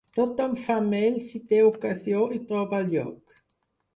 Tothom fa mel si té ocasió i troba lloc.